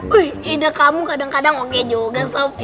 wih ide kamu kadang kadang oke juga